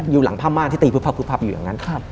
อยู่หลังพระม่านที่ตีพฤภาพอยู่อย่างนั้น